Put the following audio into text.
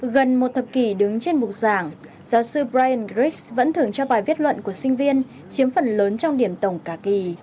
gần một thập kỷ đứng trên mục giảng giáo sư brand grix vẫn thường cho bài viết luận của sinh viên chiếm phần lớn trong điểm tổng cả kỳ